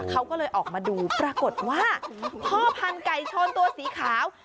เขาก็เลยออกมาดูปรากฏว่าพ่อพันธุไก่ชนตัวสีขาว